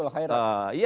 pasti bukan khairat